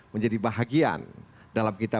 menjadi bahagian dalam kita